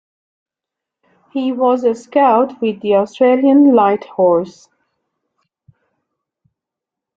He was a scout with the Australian Light Horse.